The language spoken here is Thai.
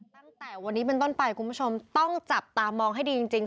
ตั้งแต่วันนี้เป็นต้นไปคุณผู้ชมต้องจับตามองให้ดีจริง